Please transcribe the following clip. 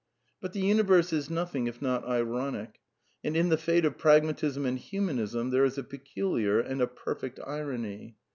But the Universe is nothing if not ironic. And in the fate of Pragmatism and Humanism there is a peculiar and a perfect irony.